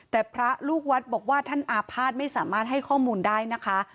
แต่พระลูกวัดบอกว่าท่านอาภาษณ์ไม่สามารถให้ข้อมูลได้นะคะ